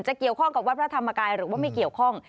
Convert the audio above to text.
เกี่ยวข้องกับวัดพระธรรมกายหรือว่าไม่เกี่ยวข้อง